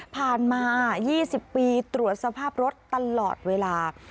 มา๒๐ปีตรวจสภาพรถตลอดเวลา